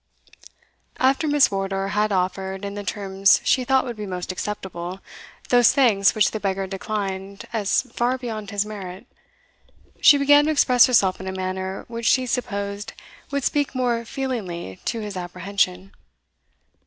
After Miss Wardour had offered, in the terms she thought would be most acceptable, those thanks which the beggar declined as far beyond his merit, she began to express herself in a manner which she supposed would speak more feelingly to his apprehension.